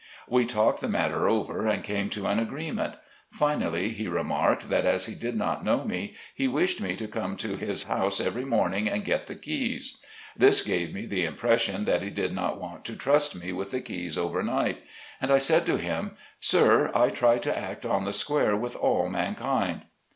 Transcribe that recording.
We talked the matter over, and came to an agreement. Finally, he remarked, that as he did not know rne, he wished me to come to his house every morning and get the keys. This gave me the impression that he did not want to trust me with the keys over night. And I said to him, " Sir, I try to act on the square with all man kind."